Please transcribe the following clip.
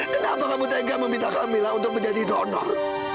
kenapa kamu tega meminta kamila untuk menjadi donor